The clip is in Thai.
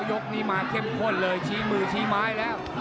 ยกนี้มาเข้มข้นเลยชี้มือชี้ไม้แล้ว